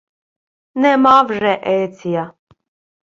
— Нема вже Еція.